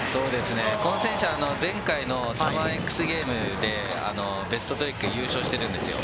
この選手は前回のサマーＸＧａｍｅｓでベストトリックで優勝してるんですよ。